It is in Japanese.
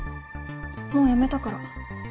もうやめたから。